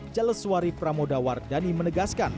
jaleswari pramodawar dhani menegaskan